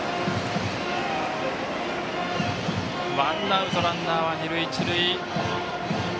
ワンアウトランナー、二塁一塁。